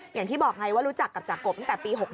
อย่างที่บอกไงว่ารู้จักกับจากกบตั้งแต่ปี๖๖